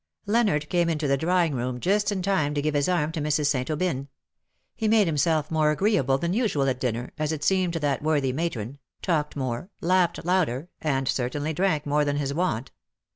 Leonard came into the drawing room just in time to give his arm to Mrs. St. Aubyn. He made himself more agreeable than usual at dinner, as it seemed to that worthy matron — talked more — laughed louder — and certainly drank more than his wont.